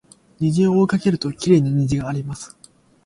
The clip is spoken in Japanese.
虹を追いかけるときれいな虹があります